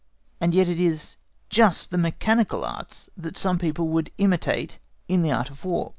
And yet it is just the mechanical Arts that some people would imitate in the Art of War.